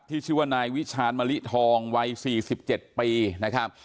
ชื่อว่านายวิชาณมะลิทองวัย๔๗ปีนะครับ